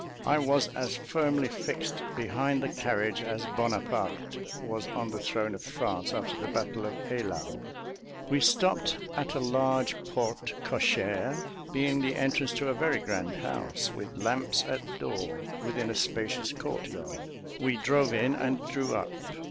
I was as firmly fixed behind the carriage, as Bonaparte was on the throne of France after the battle of Eylau. We stopped at a large porte cochère, being the entrance to a very grand house, with lamps at the door, within a spacious court yard; we drove in and drew up.